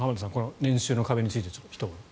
年収の壁についてひと言。